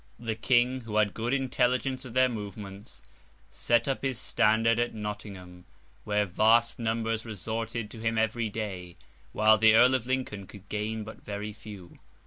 The King, who had good intelligence of their movements, set up his standard at Nottingham, where vast numbers resorted to him every day; while the Earl of Lincoln could gain but very few.